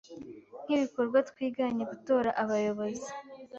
Nk’ibikorwa twiganye gutora abayobozi,